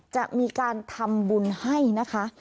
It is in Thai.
จะมีการทำบุญให้นะคะ